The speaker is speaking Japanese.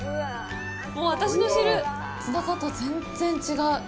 もう、私の知るツナ缶とは全然違う！